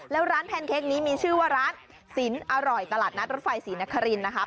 แล้วร้านแพนเค้กนี้มีชื่อว่าร้านสินอร่อยตลาดนัดรถไฟศรีนครินนะคะ